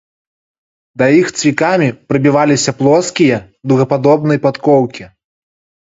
Да іх цвікамі прыбіваліся плоскія дугападобныя падкоўкі.